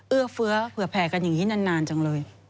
เอื้อเฟื้อเผื่อแผ่กันอย่างนี้นานจังเลย